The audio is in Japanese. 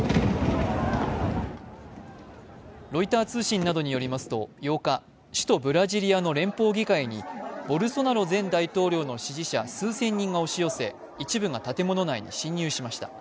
ロイター通信などによりますと８日首都ブラジリアの連邦議会にボルソナロ前大統領の支持者数千人が押し寄せ、一部が建物内に侵入しました。